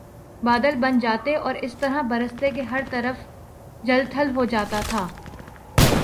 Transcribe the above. بادل بن جاتے اور اس طرح برستے کہ ہر طرف جل تھل ہو جاتا تھا